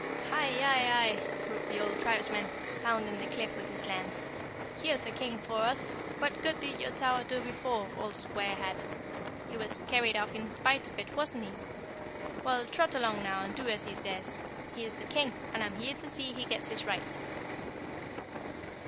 "Hi, Yi, Yi!" approved the old tribesman, pounding the cliff with his lance. "Here's a King for us. What good did your Tower do before, old Square Hat? He was carried off in spite of it, wasn't he? Well, trot along now and do as he says; he's the King, and I'm here to see he gets his rights!"